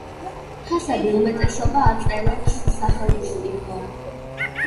ფასების უმეტესობას აწესებს სახელმწიფო.